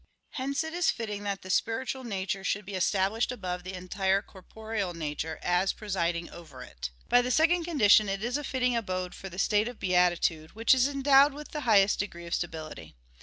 Hence it is fitting that the spiritual nature should be established above the entire corporeal nature, as presiding over it. By the second condition, it is a fitting abode for the state of beatitude, which is endowed with the highest degree of stability.